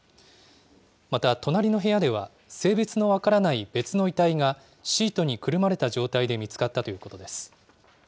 また、隣の部屋では性別の分からない別の遺体がシートにくるまれた状態で見つかったということです。